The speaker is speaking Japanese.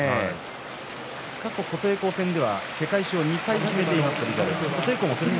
過去、琴恵光戦ではけ返しを２回きめています。